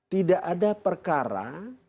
tidak ada perkara